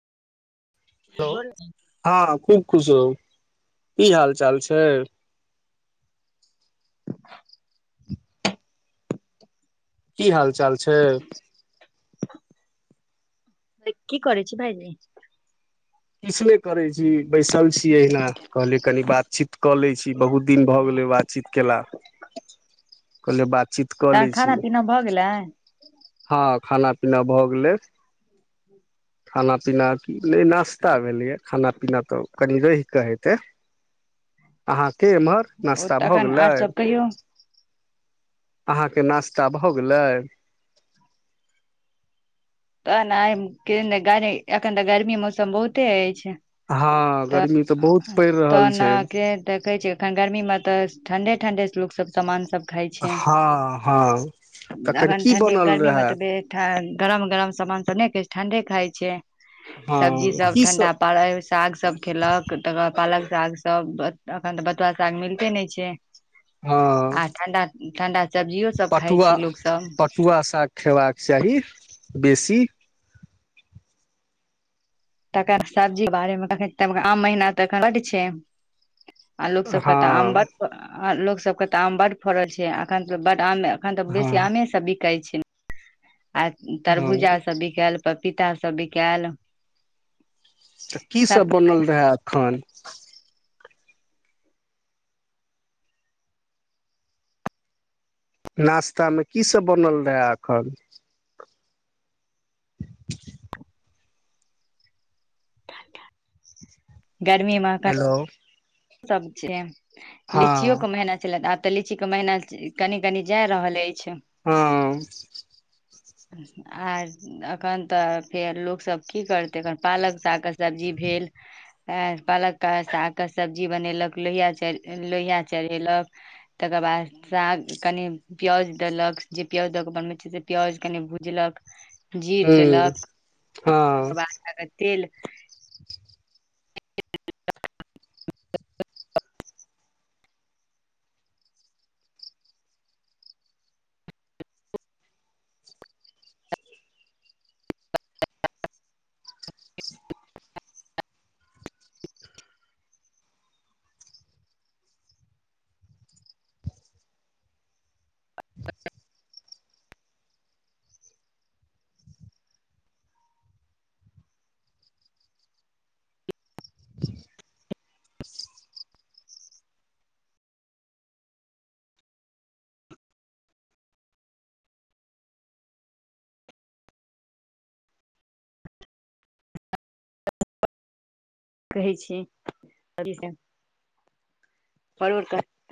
Hello, हां खुब खुश रहु। की हाल चाल छै? [unintelligible] की हाल चाल छै। की कर छी भाएनी किछु नहि करै छी बैसल छीिय ना। कहलियै कनि बातचीत कऽ लैत छी बहुत दिन भऽ गेलै बातचीत कयला, कहलियै बातचीत कऽ तहन लैत छी। खाना पीना भऽ हँ, खाना पीना भ गेलै, खाना पीना नै नास्ता भेलैये, खाना पीना त कनि रहिके हेतै, अहां के एमहर, गेलै नाश्ता भ तखन गेलै? आर सब कहियौ अहाँके नाश्ता भऽ गेलई। तऽ ने के नगरे एखन तऽ गर्मी मौसम बहुते होइ छै। हँ, गर्मी तऽ बहुत पड़ रहल तहन छै। के तऽ कहै छै एखन गर्मी मे तऽ ठण्डे ठणंडे से लोक सब सामान सब खाय छै हँ, हँ, तखन की बनल रहए। गरम-गरम सामान सब नहि के ठण्डे खाइ छै। सब्जी हँ सब की ठं्डा पड़ल, साग सब खेलक तकर बाद पालक साग सब, एखन तऽ बथुआा साग मिलते नहि छै। हँ, आ ठंडा ठंडा सब्जियो सब खाय पटुआ छै लोक सब पटुआ साग खयबाक चाही। बेसी। त सब्जी बारे मे कख आम महीना तऽ घट छै। आ लोक सबके तऽ आम ब हँ आ लोक सब के तऽ आम बड फड़ल छै, अखन तऽ बड आम एखन तऽ हँ बेसी आमे सब बिकाै छै न। आ हँ तरबूजा सब बिकल पपीता सभ बिकल तऽ कीसभ बनल रहए एखन। नाश्ता मे की सभ बनल रहए एखन। ता ता गर्मी म क हेलो सब छै। लीचियो हँ को मेहना चल अ तऽ लीची के महिना कनि कनी जाय रहलए। हँ। आ एखन तऽ फेर लोकसभ की करतैखन पालक सागके सब्जी भेल, पालक के साग के सब्जी बनेलक, लोहिया लोहिया चढ़ेलक, तकर बाद साग कनि प्यज डलक जे प्यउज दऽ कऽ बनबैत छै से पउ कनि बुझलक ह्म हँ बाद तेल [unintelligible] कहै छी बरबर क